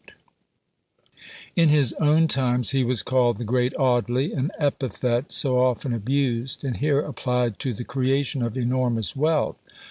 In his own times he was called "The great Audley," an epithet so often abused, and here applied to the creation of enormous wealth.